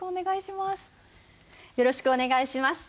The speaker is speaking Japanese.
よろしくお願いします！